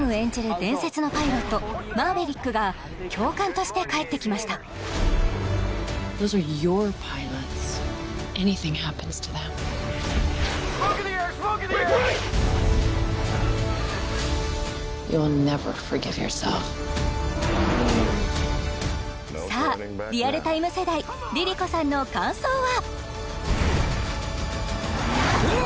伝説のパイロットマーヴェリックが教官として帰ってきましたさあリアルタイム世代ＬｉＬｉＣｏさんの感想は？